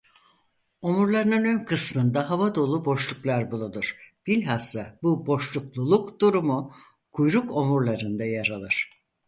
Omurlarının ön kısmında hava dolu boşluklar bulunur bilhassa bu boşlukluluk durumu kuyruk omurlarında yer alır.